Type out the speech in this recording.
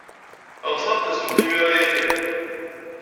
Ɣseɣ ad d-tasemt imir-a ya kan.